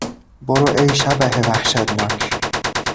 برو ای شبح وحشتناک!